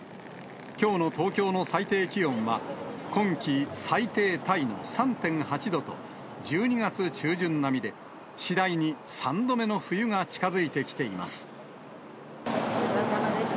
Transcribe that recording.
きょうの東京の最低気温は、今期最低タイの３．８度と、１２月中旬並みで、次第に３度目の冬が近づいてきています。